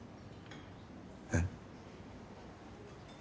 えっ？